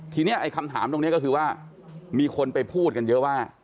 ทีนี้ไอ้คำถามตรงนี้ก็คือว่ามีคนไปพูดกันเยอะว่า